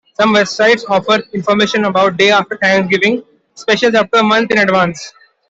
Some websites offer information about day-after-Thanksgiving specials up to a month in advance.